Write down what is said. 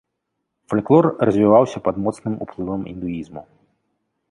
Фальклор развіваўся пад моцным уплывам індуізму.